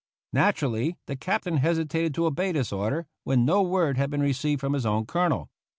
Naturally the Captain hesitated to obey this order when no word had been received from his own Colonel.